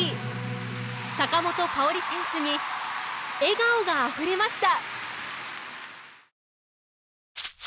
坂本花織選手に笑顔があふれました。